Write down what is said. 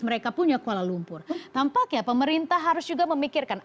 mereka punya kuala lumpur tampaknya pemerintah harus juga memikirkan